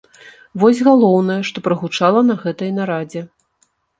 Вось галоўнае, што прагучала на гэтай нарадзе.